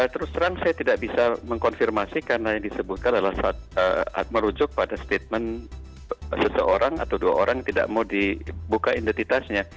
terus terang saya tidak bisa mengkonfirmasi karena yang disebutkan adalah merujuk pada statement seseorang atau dua orang yang tidak mau dibuka identitasnya